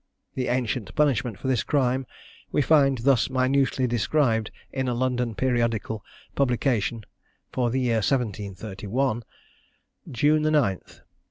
The ancient punishment for this crime we find thus minutely described in a London periodical publication for the year 1731: "_June 9th.